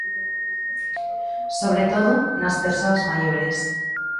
Sobre todo, nas persoas maiores.